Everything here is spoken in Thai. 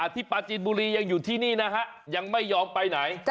ปลาจีนบุรียังอยู่ที่นี่นะฮะยังไม่ยอมไปไหน